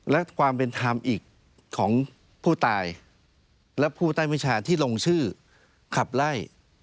และความเป็นธรรมอีกของผู้ตายและผู้ใต้วิชาที่ลงชื่อขับไล่